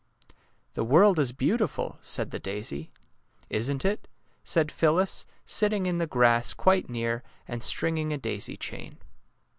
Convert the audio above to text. *' The world is beautiful/' said the daisy. " Isn't it? " said Phyllis, sitting in the grass quite near and stringing a daisy chain.